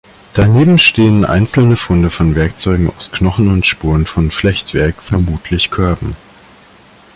Daneben stehen einzelne Funde von Werkzeugen aus Knochen und Spuren von Flechtwerk, vermutlich Körben.